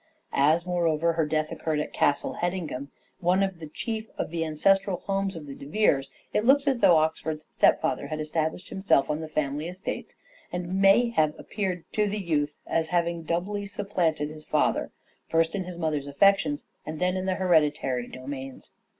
As, moreover, her death occurred at Castle Hedingham, one of the chief of the ancestral homes of the De Veres, it looks as though Oxford's stepfather had established himself on the family estates, and may have appeared to the youth as having doubly supplanted his father, first in his mother's affections and then in the hereditary domains.